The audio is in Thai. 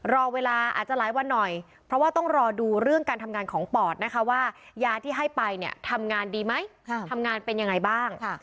รอเวลาอาจจะหลายวันหน่อยเพราะว่าต้องรอดูเรื่องการทำงานของปอดนะคะว่ายาที่ให้ไปเนี่ยทำงานดีไหมทำงานเป็นยังไงบ้าง